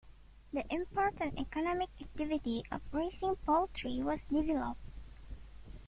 The important economic activity of raising poultry was developed.